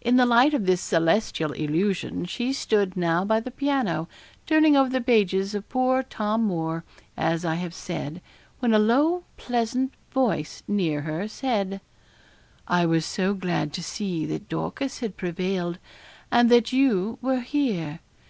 In the light of this celestial illusion she stood now by the piano, turning over the pages of poor Tom Moore, as I have said, when a low pleasant voice near her said 'I was so glad to see that Dorcas had prevailed, and that you were here.